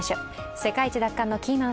世界一奪還のキーマン